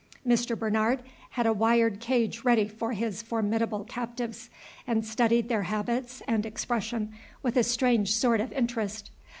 Mr. Bernard had a wired cage ready for his formidable captives, and studied their habits and expression with a strange sort of interest.